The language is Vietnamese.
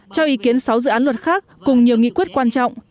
cho ý kiến sáu dự án luật khác cùng nhiều nghị quyết quan trọng